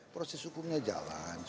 proses hukumnya jalan